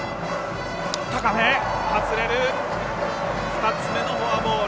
２つ目のフォアボール。